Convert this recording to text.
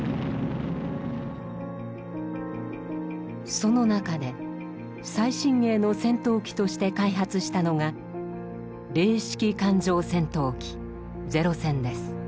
その中で最新鋭の戦闘機として開発したのが「零式艦上戦闘機」「零戦」です。